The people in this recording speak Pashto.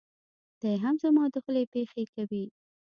دی هم زما دخولې پېښې کوي.